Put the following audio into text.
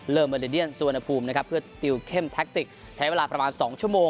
เลิฟมาเลเดียนสวนภูมินะครับเพื่อติวเข้มถ้าใช้เวลาประมาณสองชั่วโมง